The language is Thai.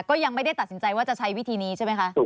ก็ยังไม่ได้ตัดสินใจว่าจะใช้วิธีนี้ใช่ไหมคะ